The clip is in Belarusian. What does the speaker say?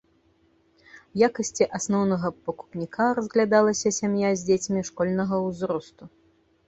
У якасці асноўнага пакупніка разглядалася сям'я з дзецьмі школьнага ўзросту.